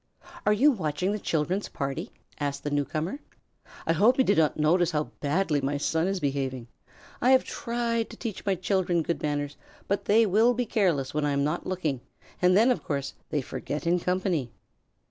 "Are you watching the children's party?" asked the newcomer. "I hope you did not notice how badly my son is behaving. I have tried to teach my children good manners, but they will be careless when I am not looking, and then, of course, they forget in company."